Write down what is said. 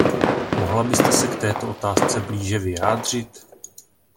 Mohla byste se k této otázce blíže vyjádřit?